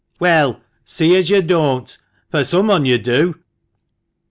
"Well, see as yo' don't, for some on yo' do."